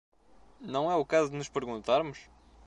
Não é o caso de nos perguntarmos?